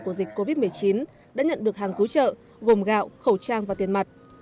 của dịch covid một mươi chín đã nhận được hàng cứu trợ gồm gạo khẩu trang và tiền mặt